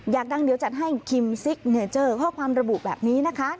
อยากดังเดี๋ยวจัดให้คิมซิกเนเจอร์ข้อความระบุแบบนี้นะคะ